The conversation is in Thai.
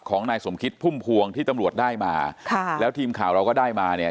ของนายสมคิดพุ่มพวงที่ตำรวจได้มาค่ะแล้วทีมข่าวเราก็ได้มาเนี่ย